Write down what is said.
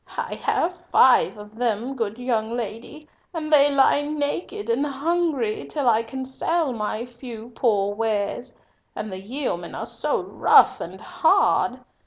I have five of them, good young lady, and they lie naked and hungry till I can sell my few poor wares, and the yeomen are so rough and hard.